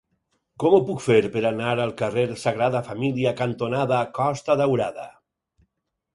Com ho puc fer per anar al carrer Sagrada Família cantonada Costa Daurada?